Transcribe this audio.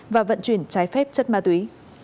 và vận chuyển trái phép chất ma túy